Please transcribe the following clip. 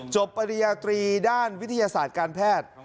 ปริญญาตรีด้านวิทยาศาสตร์การแพทย์